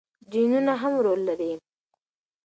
جینونه هم رول لري.